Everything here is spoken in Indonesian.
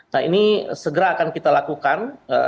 nah ini segera akan kita lakukan